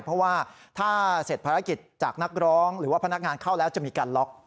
เพราะว่าถ้าเสร็จภารกิจจากนักร้องหรือว่าพนักงานเข้าแล้วจะมีการล็อก